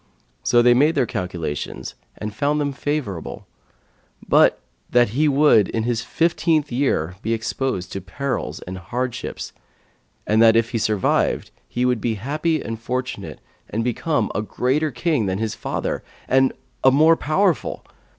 So they made their calculations and found them favourable; but, that he would, in his fifteenth year, be exposed to perils and hardships, and that if he survived, he would be happy and fortunate and become a greater king than his father and a more powerful.